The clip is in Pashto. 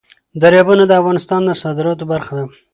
دریابونه د افغانستان د صادراتو برخه ده.